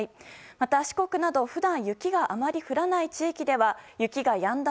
また四国など、普段雪があまり降らない地域では雪がやんだ